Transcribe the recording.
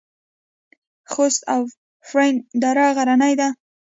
خوست او فرنګ دره غرنۍ ده؟